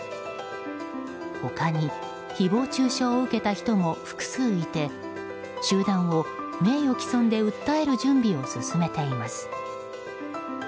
他に、誹謗中傷を受けた人も複数いて集団を名誉棄損で訴える準備を進めています。